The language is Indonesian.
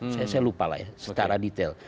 saya lupa lah ya secara detail